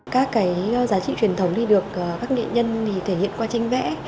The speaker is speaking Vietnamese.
các giá trị truyền thống được các nghệ nhân thể hiện qua tranh vẽ